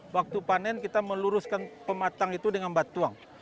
waktu panen kita meluruskan pematang itu dengan batuang